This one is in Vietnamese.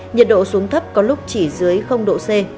nhiệt độ xuống thấp có lúc chỉ dưới độ c